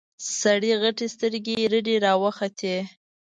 سړي غتې سترګې رډې راوختې.